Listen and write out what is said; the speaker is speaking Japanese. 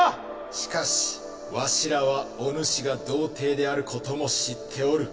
しかしワシらはおぬしが童貞であることも知っておる。